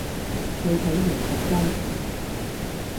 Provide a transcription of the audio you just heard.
脆皮鹽焗鷄